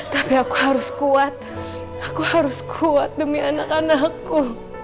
tapi aku harus kuat aku harus kuat demi anak anakku